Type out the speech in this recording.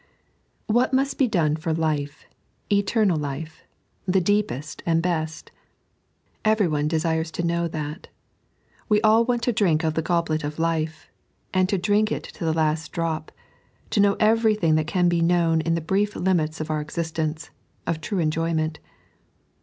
WHAT must be done for life — etenial life — the deepest and best? Everyone desires to know that. We all want to drink of the goblet of life, and to drink it to the last drop, to know everything that can be known in the brief limits of our existence, of true enjoyment.